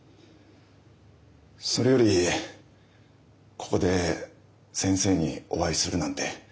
それよりここで先生にお会いするなんて